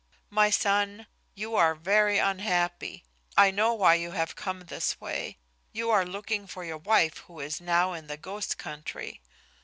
"My son, you are very unhappy. I know why you have come this way. You are looking for your wife who is now in the ghost country.